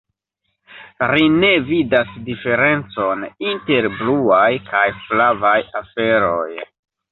Ri ne vidas diferencon inter bluaj kaj flavaj aferoj.